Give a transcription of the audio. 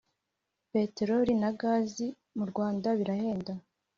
peteroli na gazi mu rwanda birahenda